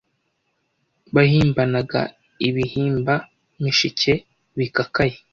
Bahimbanaga ibihimba-mishike bikakaye